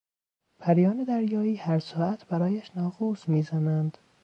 پریان دریایی هر ساعت برایش ناقوس میزنند.